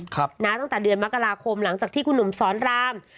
ตั้งแต่เดือนมกราคมหลังจากที่คุณหนุ่มสอนราม